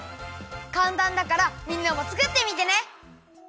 かんたんだからみんなも作ってみてね！